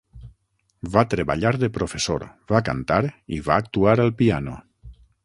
Va treballar de professor, va cantar i va actuar al piano.